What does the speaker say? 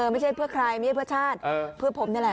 ไม่ใช่เพื่อใครไม่ใช่เพื่อชาติเพื่อผมนี่แหละ